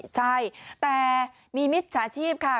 ใช่แต่มีมิจฉาชีพค่ะ